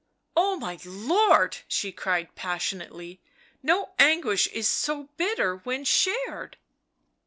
" Oh, my lord !" she cried passionately. " No anguish is so bitter when shared